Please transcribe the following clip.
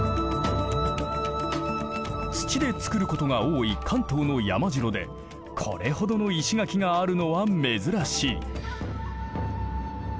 土で造ることが多い関東の山城でこれほどの石垣があるのは珍しい。